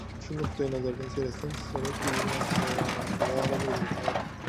Şu nukdaýnazardan seretseň kislorod bizi ýaşadýaram, öldürýärem.